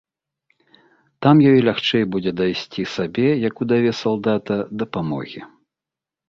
Там ёй лягчэй будзе дайсці сабе, як удаве салдата, дапамогі.